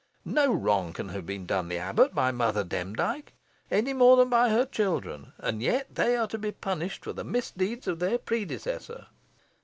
No wrong can have been done the abbot by Mother Demdike, any more than by her children, and yet they are to be punished for the misdeeds of their predecessor."